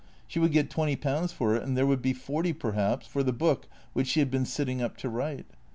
She would get twenty pounds for it, and there would be forty, perhaps, for the book which she had been sitting up to write.